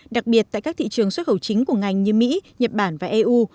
đặc biệt tại các thị trường xuất khẩu chính của ngành như mỹ nhật bản và eu